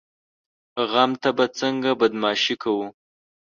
غم ته به څنګه بدماشي کوو؟